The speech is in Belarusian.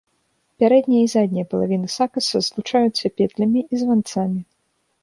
Пярэдняя і задняя палавіны сакаса злучаюцца петлямі і званцамі.